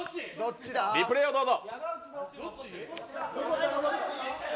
リプレーをどうぞ。